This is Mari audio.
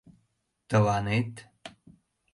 Тыланет?..